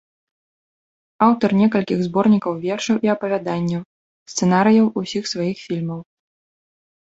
Аўтар некалькіх зборнікаў вершаў і апавяданняў, сцэнарыяў усіх сваіх фільмаў.